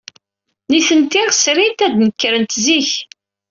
Nitenti srint ad nekrent zik.